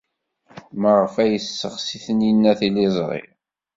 Maɣef ay tesseɣsi Taninna tiliẓri?